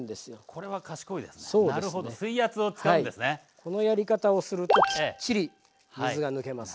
このやり方をするときっちり水が抜けます。